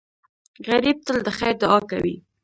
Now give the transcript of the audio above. غریب تل د خیر دعا کوي